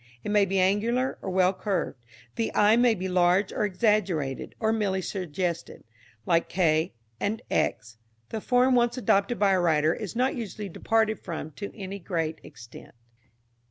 It may be angular or well curved; the eye may be large or exaggerated or merely suggested. Like k and x, the form once adopted by a writer is not usually departed from to any great extent.